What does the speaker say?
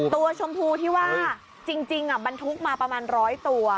ชมพูที่ว่าจริงบรรทุกมาประมาณร้อยตัว